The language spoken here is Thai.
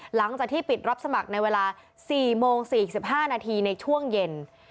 หลังจากที่ปิดรับสมัครในเวลา๔โมง๔๕นาทีในช่วงเย็น